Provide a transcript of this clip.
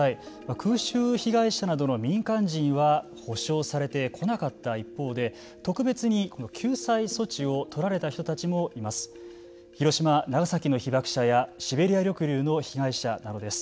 空襲被害者などの民間人は補償されてこなかった一方で特別に救済措置を取られた人たちもいます。